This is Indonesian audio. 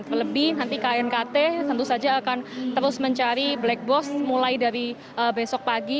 terlebih nanti knkt tentu saja akan terus mencari black box mulai dari besok pagi